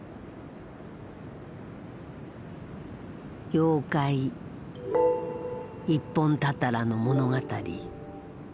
妖怪一本たたらの物語。